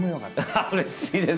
ああうれしいです！